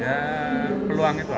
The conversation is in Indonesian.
ya peluang itu ada